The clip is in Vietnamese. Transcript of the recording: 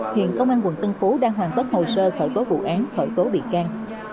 hiện công an quận tân phú đang hoàn bất hồi sơ khởi tố vụ án khởi tố bị can